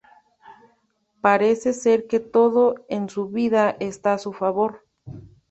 Parece ser que todo en su vida está a su favor.